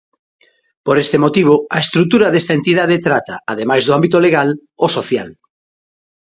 Por este motivo a estrutura desta entidade trata, ademais do ámbito legal, o social.